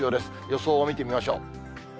予想を見てみましょう。